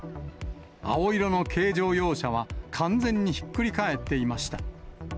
青色の軽乗用車は、完全にひっくり返っていました。